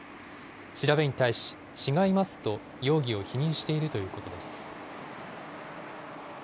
調べに対し、違いますと容疑を否認しているということです。